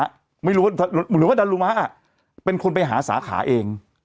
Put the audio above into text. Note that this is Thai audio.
ดารุมะไม่รู้หรือว่าดารุมะอ่ะเป็นคนไปหาสาขาเอง